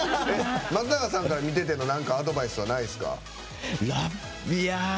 松永さんから見てのアドバイスはないですか？